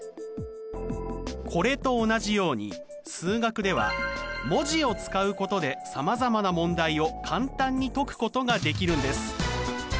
これと同じように数学では文字を使うことでさまざまな問題を簡単に解くことができるんです。